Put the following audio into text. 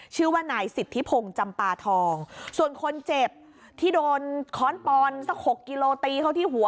ชื่อว่านายสิทธิพงศ์จำปาทองส่วนคนเจ็บที่โดนค้อนปอนสักหกกิโลตีเขาที่หัว